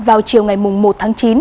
vào chiều ngày một tháng chín